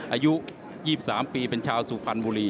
อายุ๒๓ปีเป็นชาวสุพรรณบุรี